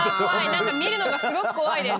何か見るのがすごく怖いです。